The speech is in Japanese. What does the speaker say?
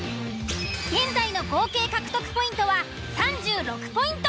現在の合計獲得ポイントは３６ポイント！